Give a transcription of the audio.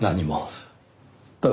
ただ。